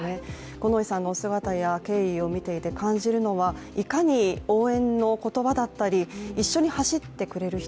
五ノ井さんのお姿や経緯を見ていて感じるのはいかに応援の言葉だったり、一緒に走ってくれる人